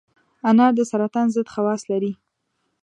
انار د سرطان ضد خواص لري.